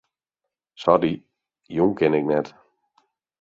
Sorry, jûn kin ik net.